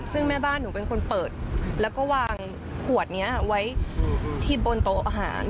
ซึ่งแม่บ้านหนูเป็นคนเปิดแล้วก็วางขวดนี้ไว้ที่บนโต๊ะอาหาร